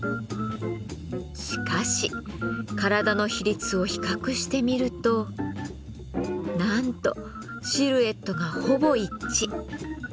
しかし体の比率を比較してみるとなんとシルエットがほぼ一致。